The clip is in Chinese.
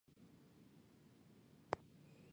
黄绿薹草为莎草科薹草属的植物。